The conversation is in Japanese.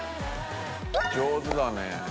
上手だね。